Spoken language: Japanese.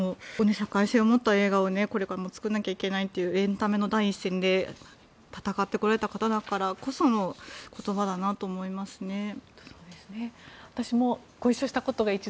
社会性を持った映画をこれからも作んなきゃいけないというエンタメの第一線で戦ってこられた方だからこその言葉だなと思いますね。